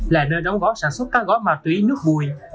là nơi đóng gói sản xuất cá gói má túy nước vùi